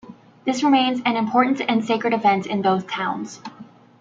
This remains an important and sacred event in both towns.